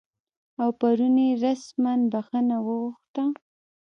او پرون یې رسما بخښنه وغوښته